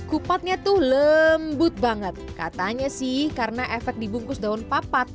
hai kupatnya tuh lembut banget katanya sih karena efek dibungkus daun papat